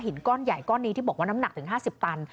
ก้อนใหญ่ก้อนนี้ที่บอกว่าน้ำหนักถึง๕๐ตัน